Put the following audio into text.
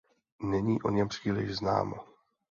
Není o něm příliš známo.